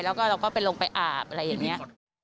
แล้วก็ลงไปอาบอะไรอย่างเงี้ย